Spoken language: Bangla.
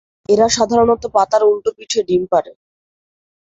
এরা সাধারণত পাতার উল্টো পিঠে ডিম পাড়ে।